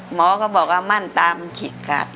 หมอก็บอกว่าม่านตามันขีดขาด